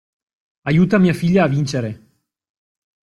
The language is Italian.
Aiuta mia figlia a vincere!